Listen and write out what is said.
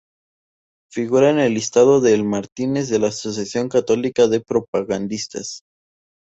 Figura en el Listado de mártires de la Asociación Católica de Propagandistas.